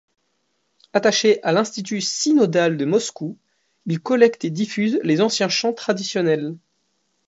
Attachés à l'Institut synodal de Moscou, ils collectent et diffusent les anciens chants traditionnels.